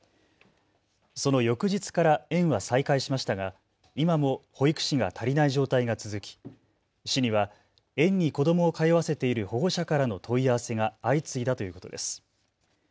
その翌日から園は再開しましたが今も保育士が足りない状態が続き市には園に子どもを通わせている保護者からの問い合わせが相次いだということです。